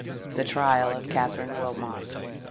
THE TRIAL OF KATHERINE WILMOT.